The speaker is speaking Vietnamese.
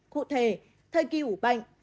cụ thể thời kỳ ủ bệnh